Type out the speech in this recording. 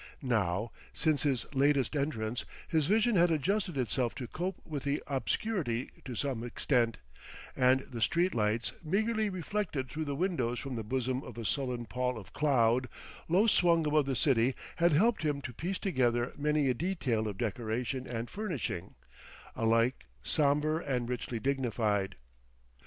Now since his latest entrance his vision had adjusted itself to cope with the obscurity to some extent; and the street lights, meagerly reflected through the windows from the bosom of a sullen pall of cloud, low swung above the city, had helped him to piece together many a detail of decoration and furnishing, alike somber and richly dignified.